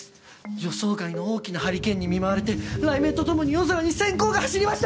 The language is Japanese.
予想外の大きなハリケーンに見舞われて雷鳴とともに夜空に閃光が走りました！